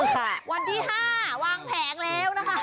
วันที่๕วางแผงแล้วนะคะ